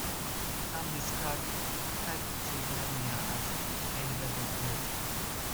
Some describe tachypnea as any rapid breathing.